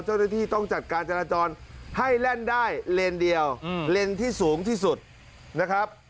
เจ้าหน้าที่ต้องจัดการจราจรให้แล่นได้เลนเดียวเลนที่สูงที่สุดนะครับ